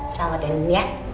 selamat ya nenek ya